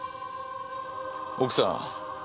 奥さん